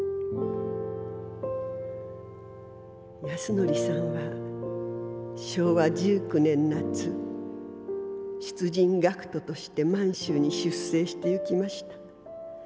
「安典さんは昭和十九年夏出陣学徒として満州に出征してゆきました。